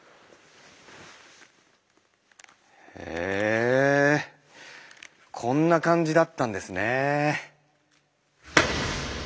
へえこんな感じだったんですね。